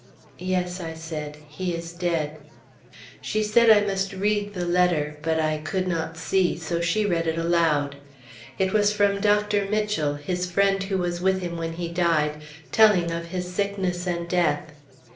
Yes, I said; he is dead. She said I must read the letter; but I could not see, so she read it aloud. It was from Dr. Mitchell, his friend who was with him when he died, telling of his sickness and death.